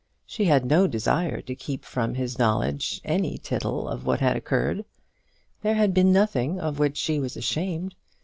She had no desire to keep from his knowledge any tittle of what had occurred. There had been nothing of which she was ashamed.